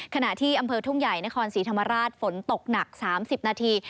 ขณะที่อำเภอทุ่งใหญ่นครศรีธรรมราชฝนตกหนัก๓๐นาที